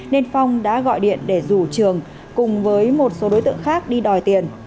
nên phong đã gọi điện để rủ trường cùng với một số đối tượng khác đi đòi tiền